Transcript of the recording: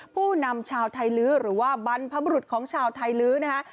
ผู้นำชาวไทยลื้อหรือว่าบรรพบุรุษของชาวไทยลื้อนะคะ